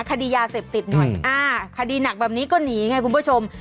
คดียาเสพติดหน่อยอ่าคดีหนักแบบนี้ก็หนีไงคุณผู้ชม